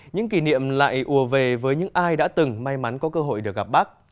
những kỷ niệm lại ùa về với những ai đã từng may mắn có cơ hội được gặp bác